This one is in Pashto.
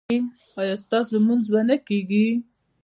ایا ستاسو لمونځ به نه کیږي؟